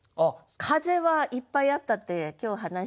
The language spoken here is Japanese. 「風」はいっぱいあったって今日話したでしょ。